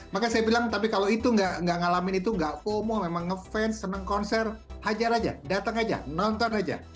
maka saya bilang tapi kalau itu nggak ngalamin itu gak fomo memang ngefans seneng konser hajar aja datang aja nonton aja